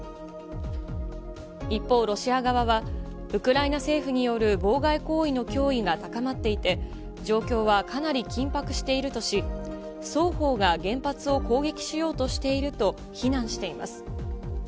一方、ロシア側は、ウクライナ政府による妨害行為の脅威が高まっていて、状況はかなり緊迫しているとし、双方が原発を攻撃しようとしていると非難しています。